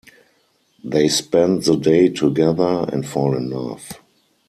They spend the day together and fall in love.